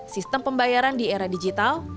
sistem pembayaran di era digital